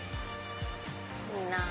いいなぁ